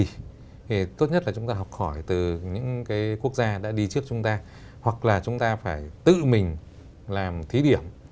thì tốt nhất là chúng ta học hỏi từ những cái quốc gia đã đi trước chúng ta hoặc là chúng ta phải tự mình làm thí điểm